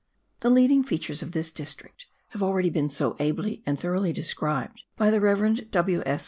The leading features of this district have already been so ably and thoroughly described by the Rev. W. S.